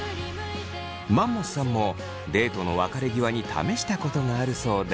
マンモスさんもデートの別れ際に試したことがあるそうで。